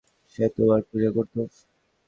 সে তোমার পূজা করত।